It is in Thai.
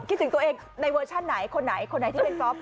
คิดถึงตัวเองในเวอร์ชั่นไหนคนไหนคนไหนที่เป็นก๊อฟ